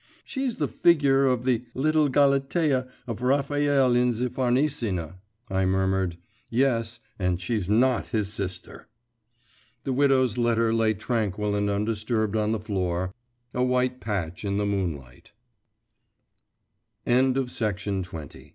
…' 'She's the figure of the little Galatea of Raphael in the Farnesino,' I murmured: 'yes; and she's not his sister ' The widow's letter lay tranquil and undisturbed on the floor, a white patch in the moonlig